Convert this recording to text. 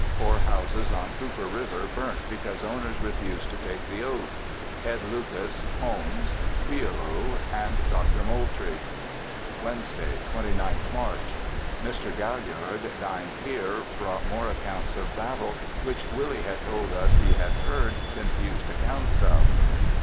Four houses on Cooper river burnt because owners refused to take the oath; Ed Lucas; Holmes; Prioleau, and Dr. Moultrie. Wednesday, 29th March. Mr. Gaillard dined here, brought more accounts of battle which Willie had told us he had heard confused accounts of.